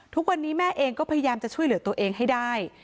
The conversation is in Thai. ทุกวันนี้แม่เองก็พยายามจะช่วยเหลือตัวเองให้ได้